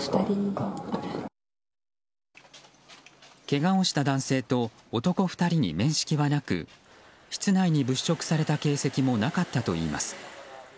けがをした男性と男２人に面識はなく室内に物色された形跡もなかったといいます。